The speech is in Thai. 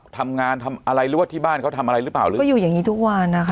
ทำงานทำอะไรหรือว่าที่บ้านเขาทำอะไรหรือเปล่าหรือก็อยู่อย่างงี้ทุกวันนะคะ